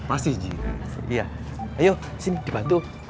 ayo sini dibantu